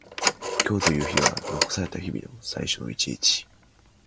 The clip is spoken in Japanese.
今日という日は残された日々の最初の一日。